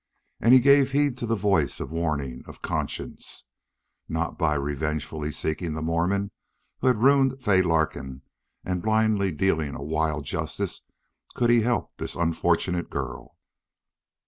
And he gave heed to the voice of warning, of conscience. Not by revengefully seeking the Mormon who had ruined Fay Larkin and blindly dealing a wild justice could he help this unfortunate girl.